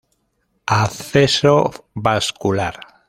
Acceso Vascular.